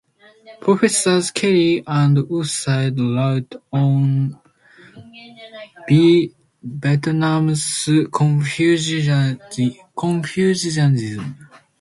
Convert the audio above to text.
Professors Kelley and Woodside wrote on Vietnam's Confucianism.